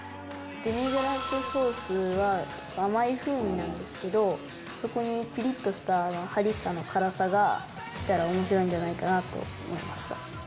デミグラスソースは結構甘い風味なんですけどそこにピリッとしたハリッサの辛さがきたら面白いんじゃないかなと思いました。